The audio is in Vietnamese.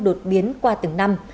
đột biến qua từng năm